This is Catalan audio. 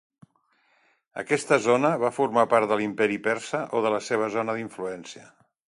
Aquesta zona va formar part de l'imperi persa o de la seva zona d'influència.